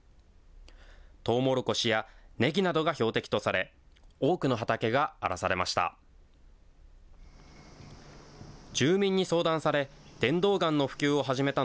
トウモロコシやネギなどが標的とされ、多くの畑が荒らされました。